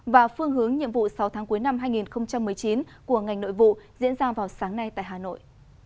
và phương hướng nhiệm vụ sáu tháng cuối năm hai nghìn một mươi chín của ngành nội vụ diễn ra vào sáng nay tại hà nội